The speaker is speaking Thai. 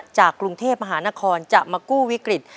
จากกรุงเทพมหานครจะมากู้วิกฤต